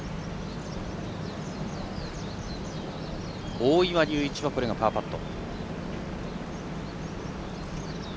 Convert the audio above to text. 大岩龍一はパーパット。